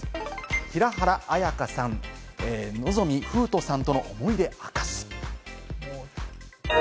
平原綾香さん、望海風斗さんとの思い出、明かす。